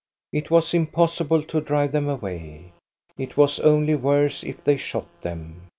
It was impossible to drive them away. It was only worse if they shot them.